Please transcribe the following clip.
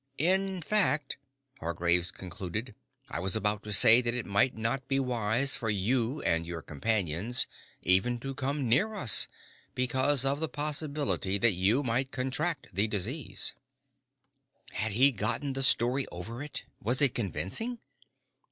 In fact," Hargraves concluded, "I was about to say that it might not be wise for you and your companions even to come near us, because of the possibility that you might contract the disease." Had he gotten the story over it? Was it convincing?